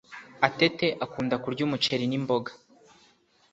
Atete akunda kurya umuceri nimboga